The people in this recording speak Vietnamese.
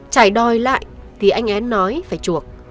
trải đòi lại thì anh én nói phải chuộc